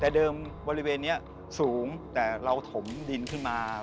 แต่เดิมบริเวณนี้สูงแต่เราถมดินขึ้นมา